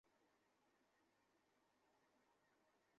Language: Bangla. সূত্রমতে, আগামী বছরের এপ্রিলের আগে চট্টগ্রাম নগরে পানির সংকট দূর হবে না।